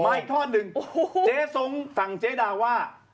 อีกท่อนหนึ่งเจ๊ส้งสั่งเจ๊ดาว่า